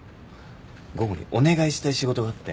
午後にお願いしたい仕事があって。